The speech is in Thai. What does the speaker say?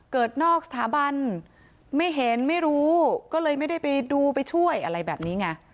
เกิดนอกสถาบันไม่เห็นไม่รู้ก็เลยไม่ได้ไปดูไปช่วยอะไรแบบนี้ไง